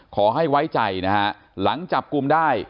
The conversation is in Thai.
ขอให้ไว้ใจนะฮะหลังจับกลุ่มได้